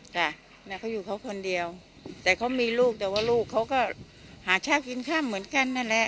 เขาอยู่เค้าคนเดียวแต่เขามีลูกแต่วว่าลูกเค้าก็หาชาติกินข้าวเหมือนกันนั่นแหละ